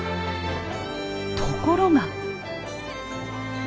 ところが。